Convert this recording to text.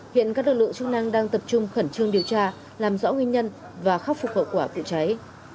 hiện các lực lượng chức năng đang tập trung khẩn trương điều tra làm rõ nguyên nhân và khắc phục hậu quả vụ cháy